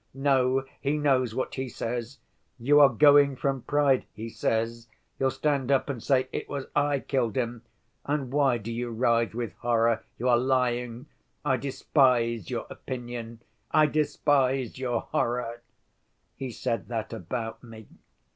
"No, he knows what he says. 'You are going from pride,' he says. 'You'll stand up and say it was I killed him, and why do you writhe with horror? You are lying! I despise your opinion, I despise your horror!' He said that about me.